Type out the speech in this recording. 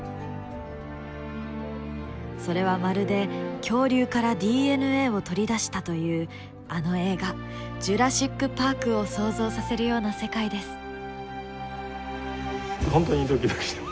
それはまるで恐竜からＤＮＡを取り出したというあの映画「ジュラシック・パーク」を想像させるような世界です。